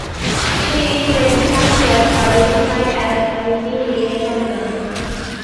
She is said to have self-identified as having been gay from birth.